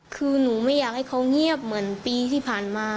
คือหนูไม่อยากให้เขาเงียบเหมือนปีที่ผ่านมา